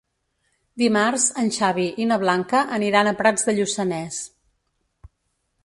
Dimarts en Xavi i na Blanca aniran a Prats de Lluçanès.